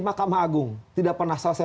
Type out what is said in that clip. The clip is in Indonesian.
mahkamah agung tidak pernah selesai